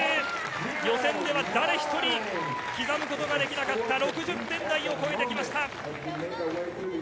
予選では誰ひとり刻むことができなかった６０点台を超えてきました。